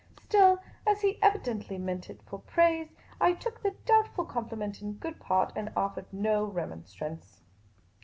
Still, as he evidently meant it for praise, I took the doubtful compliment in good part, and offered no remonstrance.